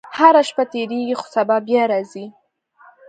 • هره شپه تېرېږي، خو سبا بیا راځي.